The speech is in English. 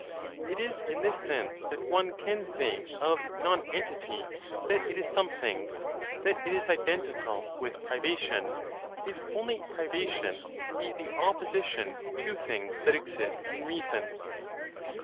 It is in this sense that one can say of nonentity that it is something, that it is identical with privation, if only privation be the opposition to things that exist in reason.